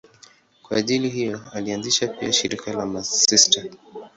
Kwa ajili hiyo alianzisha pia shirika la masista.